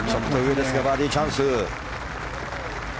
バーディーチャンス。